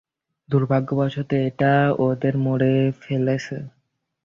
দুর্ভাগ্যবশত এটা ওদের মরে ফেলেছে।